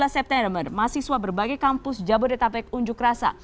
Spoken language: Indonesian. dua belas september mahasiswa berbagai kampus jabodetabek unjuk rasa